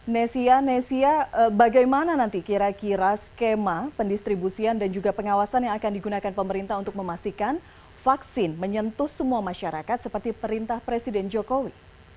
nesia nesia bagaimana nanti kira kira skema pendistribusian dan juga pengawasan yang akan digunakan pemerintah untuk memastikan vaksin menyentuh semua masyarakat seperti perintah presiden jokowi